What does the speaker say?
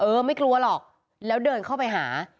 ไม่กลัวหรอกแล้วเดินเข้าไปหา